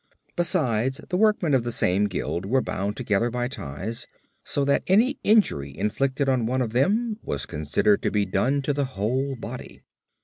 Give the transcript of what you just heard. Besides the workmen of the same guild were bound together by ties, so that any injury inflicted on one of them was considered to be done to the whole body.